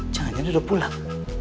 jangan jangan udah pulang